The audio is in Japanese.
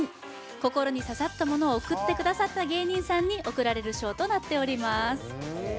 心に刺さったものを送ってくださった芸人さんに贈られる賞となっております